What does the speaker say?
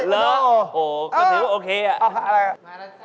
หรือโอ้โฮกระทิวโอเคอ่ะอ้าวเอาค่ะอะไรกัน